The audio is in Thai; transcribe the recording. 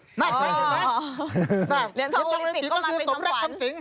เรียนทองโอลิมเปคก็คือสมรักทำสิงค์